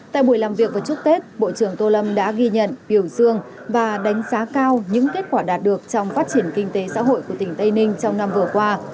tại buổi làm việc và chúc tết bộ trưởng tô lâm đã ghi nhận biểu dương và đánh giá cao những kết quả đạt được trong phát triển kinh tế xã hội của tỉnh tây ninh trong năm vừa qua